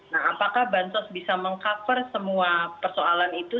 nah apakah bansos bisa meng cover semua persoalan itu